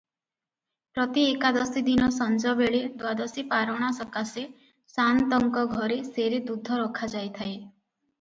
ପ୍ରତି ଏକାଦଶୀଦିନ ସଞ୍ଜବେଳେ ଦ୍ଵାଦଶୀ ପାରଣା ସକାଶେ ସାଆନ୍ତଙ୍କ ଘରେ ସେରେ ଦୁଧ ରଖାଯାଇଥାଏ ।